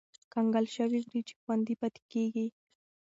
کنګل شوې وریجې خوندي پاتې کېږي.